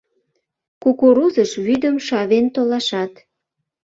Кукурузыш вӱдым шавен толашат.